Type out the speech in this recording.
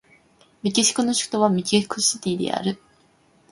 メキシコの首都はメキシコシティである